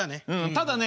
ただね